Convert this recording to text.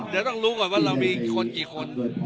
เดี๋ยวต้องรู้ก่อนว่าเรามีคนกี่คน